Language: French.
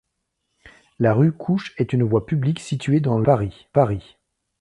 La rue Couche est une voie publique située dans le de Paris.